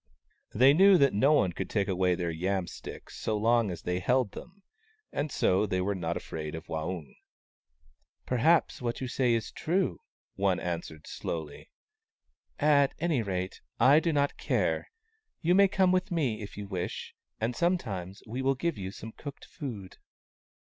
They knew that no one could take away their yam sticks so long as they held them ; and so they were not afraid of Waung. " Perhaps what you say is true," one answered slowly. " At any rate, I do not care. You may come with me if you wish, and sometimes we will give you some cooked food."